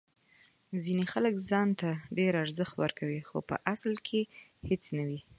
ځینې خلک ځان ته ډیر ارزښت ورکوي خو په اصل کې هیڅ نه وي.